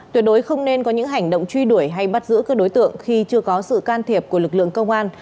tuyệt đối không nên có những hành động truy đuổi hay bắt giữ các đối tượng khi chưa có sự can thiệp của lực lượng công an